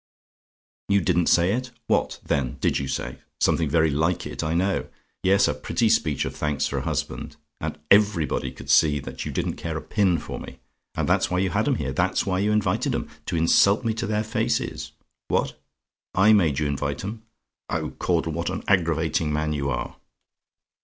"YOU DIDN'T SAY IT? "What, then, did you say? Something very like it, I know. Yes, a pretty speech of thanks for a husband! And everybody could see that you didn't care a pin for me; and that's why you had 'em here: that's why you invited 'em, to insult me to their faces. What? "I MADE YOU INVITE 'EM? "Oh, Caudle, what an aggravating man you are!